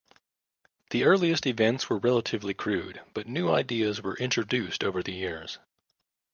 The earliest events were relatively crude, but new ideas were introduced over the years.